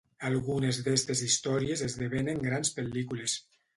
Algunes d'estes històries esdevenen grans pel·lícules.